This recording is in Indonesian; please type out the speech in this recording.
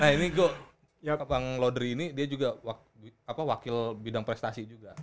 nah ini kok bang lodri ini dia juga wakil bidang prestasi juga